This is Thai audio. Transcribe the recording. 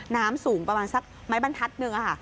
น้ำสูงประมาณสักไม้บ้านทัศน์หนึ่ง